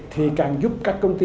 thì càng giúp các công ty